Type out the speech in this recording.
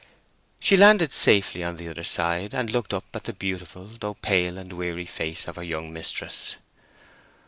She landed safely on the other side, and looked up at the beautiful though pale and weary face of her young mistress.